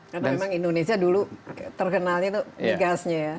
karena memang indonesia dulu terkenalnya itu migasnya ya